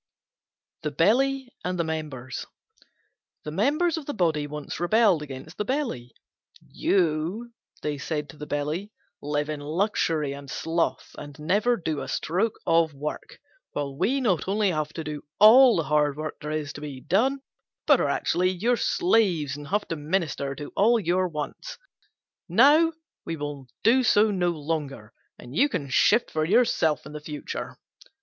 THE BELLY AND THE MEMBERS The Members of the Body once rebelled against the Belly. "You," they said to the Belly, "live in luxury and sloth, and never do a stroke of work; while we not only have to do all the hard work there is to be done, but are actually your slaves and have to minister to all your wants. Now, we will do so no longer, and you can shift for yourself for the future."